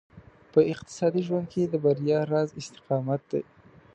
په اقتصادي ژوند کې د بريا راز استقامت دی.